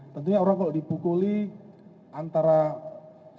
tentunya orang kalau dipukuli antara satu hari dengan sepuluh hari ada perbedaan